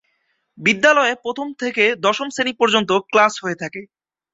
বিদ্যালয়ে প্রথম থেকে দশম শ্রেণি পর্যন্ত ক্লাস হয়ে থাকে।